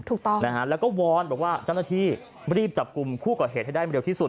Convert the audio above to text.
ถูกต้องนะฮะแล้วก็วอนบอกว่าเจ้าหน้าที่รีบจับกลุ่มผู้ก่อเหตุให้ได้เร็วที่สุด